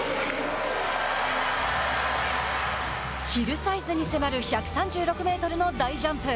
ヒルサイズに迫る１３６メートルの大ジャンプ。